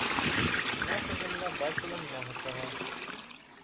Наша зямля бачыла многа чаго!